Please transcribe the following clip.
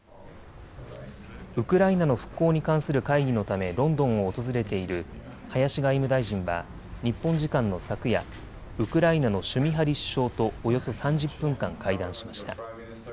ウクライナの復興に関する会議のためロンドンを訪れている林外務大臣は日本時間の昨夜、ウクライナのシュミハリ首相とおよそ３０分間会談しました。